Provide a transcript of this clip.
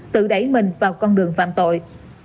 tự đẩy mình vào con đường phạm tội